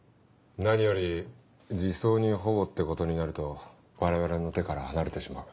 何より児相に保護ってことになると我々の手から離れてしまう。